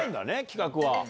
企画は。